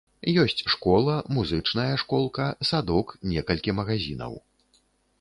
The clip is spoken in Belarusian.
Ёсць школа, музычная школка, садок, некалькі магазінаў.